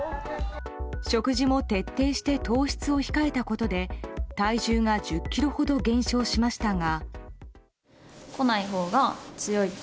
食事も徹底して糖質を控えたことで体重が１０ｋｇほど減少しましたが。